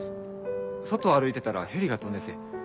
外歩いてたらヘリが飛んでて。